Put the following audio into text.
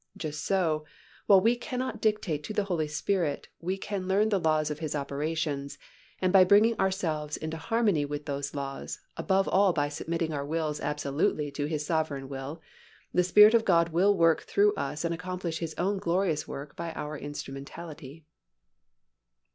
Just so, while we cannot dictate to the Holy Spirit we can learn the laws of His operations and by bringing ourselves into harmony with those laws, above all by submitting our wills absolutely to His sovereign will, the sovereign Spirit of God will work through us and accomplish His own glorious work by our instrumentality.